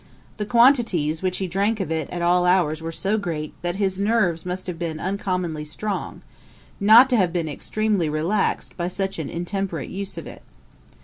The quantities which he drank of it at all hours were so great, that his nerves must have been uncommonly strong, not to have been extremely relaxed by such an intemperate use of it.